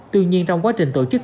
tuy nhiên trong quá trình tổ chức